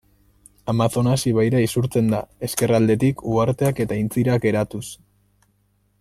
Amazonas ibaira isurtzen da, ezkerraldetik, uharteak eta aintzirak eratuz.